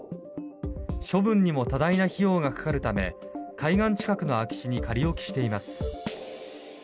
処分にも多大な費用が掛かるため海岸近くの空き地に仮置きしています。